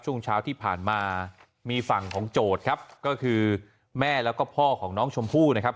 ช่วงเช้าที่ผ่านมามีฝั่งของโจทย์ครับก็คือแม่แล้วก็พ่อของน้องชมพู่นะครับ